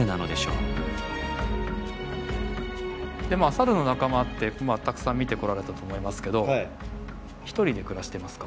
サルの仲間ってたくさん見てこられたと思いますけどひとりで暮らしてますか？